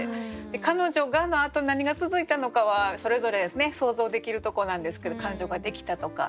「彼女が」のあと何が続いたのかはそれぞれ想像できるとこなんですけど彼女ができたとか。